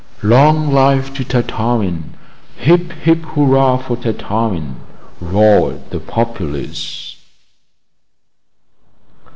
"Long life to Tartarin! hip, hip, hurrah for Tartarin!" roared the populace.